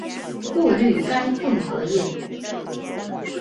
过滤该混合液。